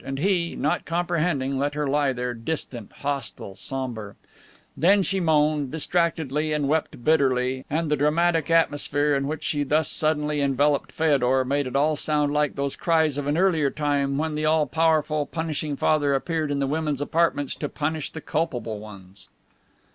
And he, not comprehending, let her lie there, distant, hostile, somber. Then she moaned, distractedly, and wept bitterly, and the dramatic atmosphere in which she thus suddenly enveloped Feodor made it all sound like those cries of an earlier time when the all powerful, punishing father appeared in the women's apartments to punish the culpable ones.